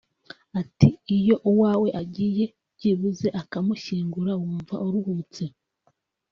Ati “Iyo uwawe agiye byibuze ukamushyingura wumva uruhutse